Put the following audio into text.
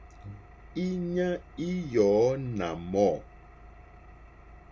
Íɲá í yɔ̀ɔ́ nà mɔ̂.